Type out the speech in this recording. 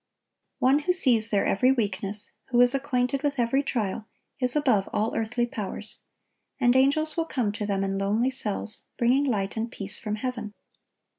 One who sees their every weakness, who is acquainted with every trial, is above all earthly powers; and angels will come to them in lonely cells, bringing light and peace from heaven.